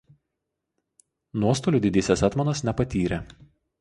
Nuostolių didysis etmonas nepatyrė.